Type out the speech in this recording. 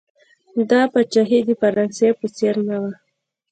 دا پاچاهي د فرانسې په څېر نه وه.